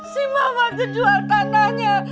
si mamat terjual tanahnya